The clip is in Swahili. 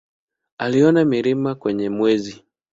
Aliona milima kwenye Mwezi.